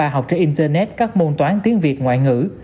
ba học trên internet các môn toán tiếng việt ngoại ngữ